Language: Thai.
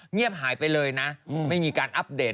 เงียบหายไปเลยนะไม่มีการอัปเดต